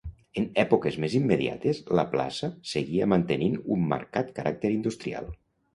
En èpoques més immediates la Plaça seguia mantenint un marcat caràcter industrial.